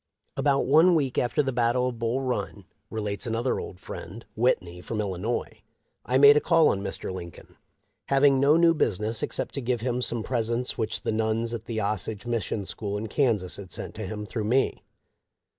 "" About one week after the battle of Bull Run," relates another old friend — Whitney — from Illinois, " I made a call on Mr. Lincoln, having no business except to give him some presents which the nuns at the Osage Mission school in Kansas had sent to him through me.